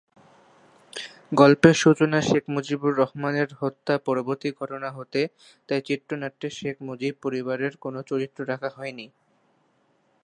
গল্পের সূচনা শেখ মুজিবুর রহমানের হত্যা পরবর্তী ঘটনা হতে, তাই চিত্রনাট্যে শেখ মুজিব পরিবারের কোন চরিত্র রাখা হয়নি।